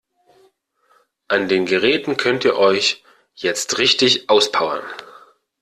An den Geräten könnt ihr euch jetzt richtig auspowern.